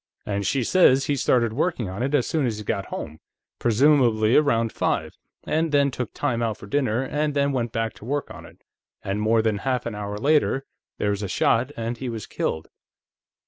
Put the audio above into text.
And she says he started working on it as soon as he got home presumably around five and then took time out for dinner, and then went back to work on it, and more than half an hour later, there was a shot and he was killed."